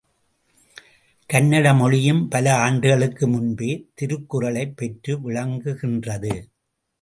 கன்னட மொழியும் பல ஆண்டுகளுக்கு முன்பே திருக்குறளைப் பெற்று விளங்குகின்றது.